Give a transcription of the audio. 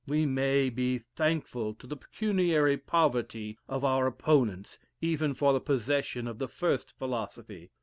We may be thankful to the pecuniary poverty of our opponents even for the possession of the first philosophy.